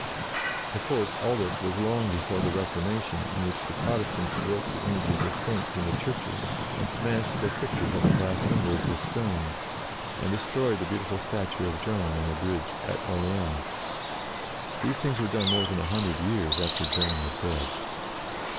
Of course, all this was long before the Re formation, in which the Protestants broke the images of Saints in the churches, and smashed their pictures on the glass win dows with stones, and destroyed a beau tiful statue of Joan on the bridge at Orleans. These things were done more than a hundred years after Joan was dead.